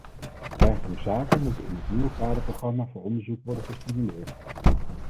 Dergelijke zaken moeten in het nieuwe kaderprogramma voor onderzoek worden gestimuleerd.